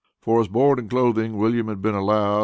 For his board and clothing, William had been allowed $1.